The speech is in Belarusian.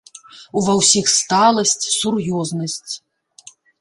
Ува ўсіх сталасць, сур'ёзнасць.